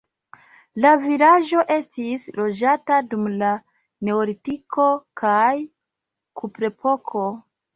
La vilaĝo estis loĝata dum la neolitiko kaj kuprepoko.